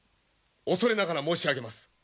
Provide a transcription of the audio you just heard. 恐れながら申し上げます。